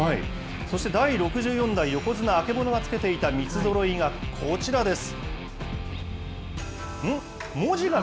そして、第６４代横綱・曙がつけていた三つぞろいがこちらです。